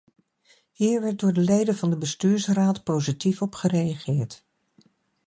Hier werd door de leden van de bestuursraad positief op gereageerd.